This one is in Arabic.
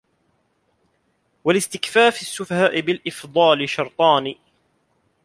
وَلِاسْتِكْفَافِ السُّفَهَاءِ بِالْإِفْضَالِ شَرْطَانِ